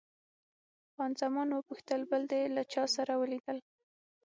خان زمان وپوښتل، بل دې له چا سره ولیدل؟